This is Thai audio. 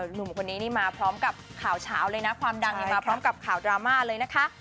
หนุ่มคนนี้นี่มาพร้อมกับข่าวเฉาเลยนะความดังมาพร้อมกับข่าวดราม่าเลยนะคะ